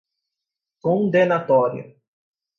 condenatória